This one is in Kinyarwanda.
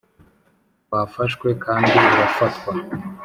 wafashwe kandi urafatwa